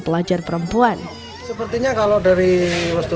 sebenarnya peristiwa ini masih dikira sebagai kejuruan yang tersebut